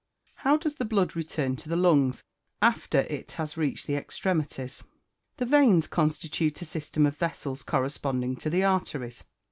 How does the blood return to the lungs, after it has reached the extremities? The veins constitute a system of vessels corresponding to the arteries.